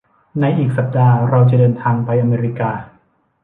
ในอีกสัปดาห์เราจะเดินทางไปอเมริกา